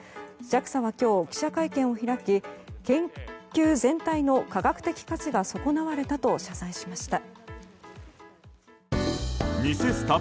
ＪＡＸＡは今日記者会見を開き、研究全体の科学的価値が損なわれたと謝罪しました。